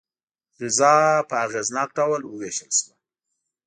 غذا په اغېزناک ډول وویشل شوه.